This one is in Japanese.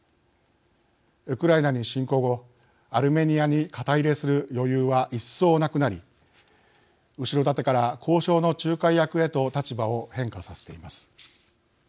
ウクライナに侵攻後アルメニアに肩入れする余裕は一層、なくなり後ろ盾から交渉の仲介役へと立場を変化させています。